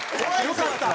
よかったよ